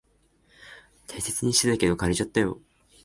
大切にしてたけど、枯れちゃったよ。